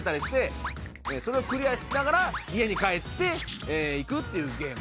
それをクリアしながら家に帰っていくっていうゲーム。